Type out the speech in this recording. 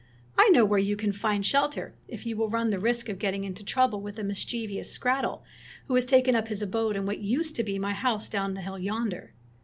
"I know where you can find shelter, if you will run the risk of getting into trouble with a mischievous skrattel who has taken up his abode in what used to be my house down the hill yonder.